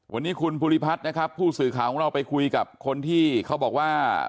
วันนี้คุณภูริพัฒน์นะครับผู้สื่อข่าวของเราไปคุยกับคนที่เขาบอกว่า